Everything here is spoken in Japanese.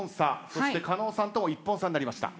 そして加納さんとも１本差になりました。